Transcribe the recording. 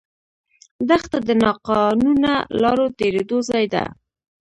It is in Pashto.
دښته د ناقانونه لارو تېرېدو ځای ده.